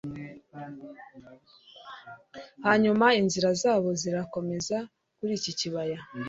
Hanyuma inzira zabo zirakomeza kuri iki kibaya